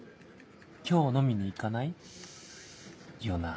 今日飲みに行かない？よな。